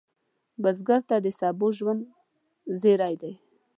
بزګر ته د سبو ژوند زېری دی